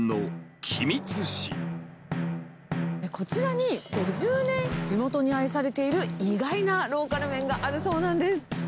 こちらに、５０年、地元に愛されている、意外なローカル麺があるそうなんです。